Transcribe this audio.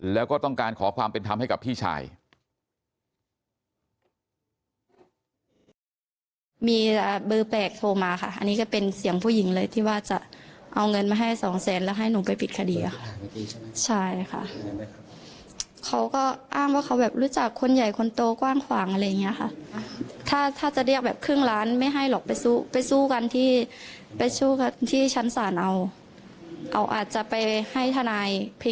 แล้วก็ต้องการขอความเป็นธรรมให้กับพี่ชาย